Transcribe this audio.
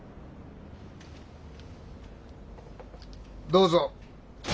どうぞ。